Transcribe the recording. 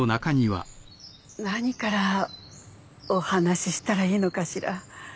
何からお話ししたらいいのかしら。